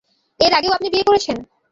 এর আগেও আপনি বিয়ে করেছেন?